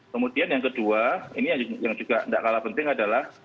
kemudian yang kedua ini yang juga tidak kalah penting adalah